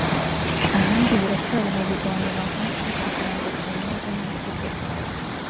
ahandi biracyari mu biganiro mpaka kugira ngo byemerwe n’amategeko